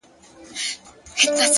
د ښه کار دوام شخصیت جوړوي؛